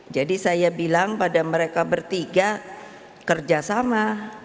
jadi saya bilang pada mereka bertiga kerjasama